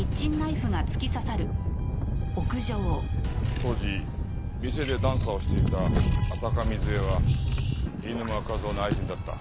当時店でダンサーをしていた浅香水絵は飯沼和郎の愛人だった。